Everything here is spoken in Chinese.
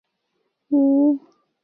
偃柏为柏科圆柏属桧树的变种。